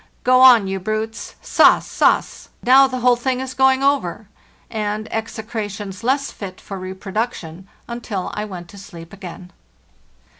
Go on, you brutes! Sass, sass!" Now the whole thing is going over!" and ex ecrations less fit for reproduction, until I went to sleep again.